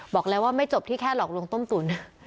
บอกแล้วว่าไม่จบที่แค่หลอกลวงต้มตุ๋น